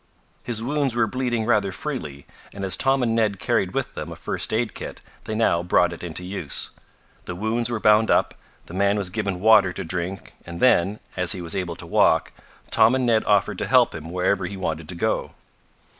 His wounds were bleeding rather freely, and as Tom and Ned carried with them a first aid kit they now brought it into use. The wounds were bound up, the man was given water to drink and then, as he was able to walk, Tom and Ned offered to help him wherever he wanted to go.